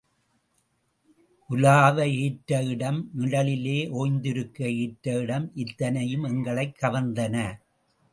உலாவ ஏற்ற இடம் நிழலிலே ஒய்ந்திருக்க ஏற்ற இடம் இத்தனையும் எங்களைக் கவர்ந்தன.